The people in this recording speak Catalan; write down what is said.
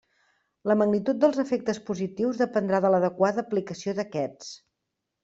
La magnitud dels efectes positius dependrà de l'adequada aplicació d'aquests.